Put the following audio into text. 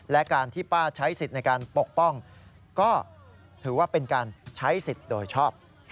และการที่ป้าใช้สิทธิ์ในการปกป้องก็ถือว่าเป็นการใช้สิทธิ์โดยชอบ